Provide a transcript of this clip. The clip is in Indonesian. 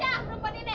usir aja perempuan ini